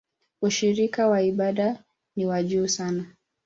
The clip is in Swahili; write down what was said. Ushiriki wa ibada ni wa juu sana.